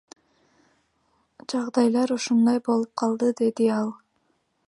Жагдайлар ушундай болуп калды, — деди ал.